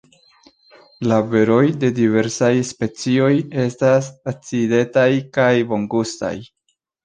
La beroj de diversaj specioj estas acidetaj kaj bongustaj.